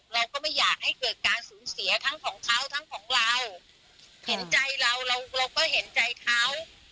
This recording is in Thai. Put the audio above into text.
เราก็ไม่อยากให้เกิดการสูญเสียทั้งของเขาทั้งของเราเห็นใจเราเราก็เห็นใจเขา